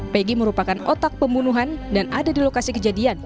pegi merupakan otak pembunuhan dan ada di lokasi kejadian